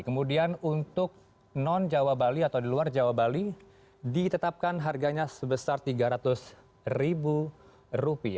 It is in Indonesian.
kemudian untuk non jawa bali atau di luar jawa bali ditetapkan harganya sebesar rp tiga ratus